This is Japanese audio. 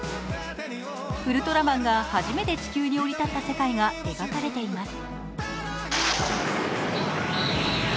ウルトラマンが初めて地球に降り立った世界が描かれています。